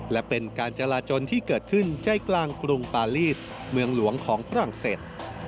และเป็นการจราจนที่เกิดขึ้นใจกลางกรุงปาลีสเมืองหลวงของฝรั่งเศส